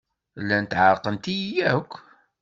Llant ɛerqent-iyi akk.